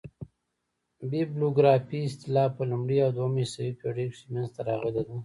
بیبلوګرافي اصطلاح په لومړۍ او دوهمه عیسوي پېړۍ کښي منځ ته راغلې ده.